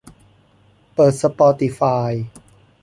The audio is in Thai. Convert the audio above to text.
เปิดสปอติฟาย